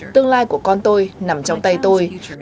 tương lai của con tôi nằm trong tay tôi